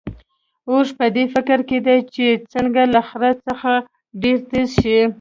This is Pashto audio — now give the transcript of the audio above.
اوښ په دې فکر کې دی چې څنګه له خره څخه ډېر تېز شي.